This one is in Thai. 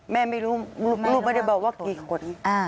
แม่ไม่รู้ลูกไม่ได้บอกว่ากี่คน